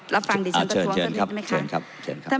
รับฟังดิฉันประท้วงสักนิดหนึ่งไหมคะอ่าเชิญเชิญครับเชิญครับ